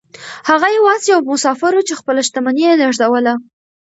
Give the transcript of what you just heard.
هغه يوازې يو مسافر و چې خپله شتمني يې لېږدوله.